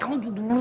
kamu juga dengerin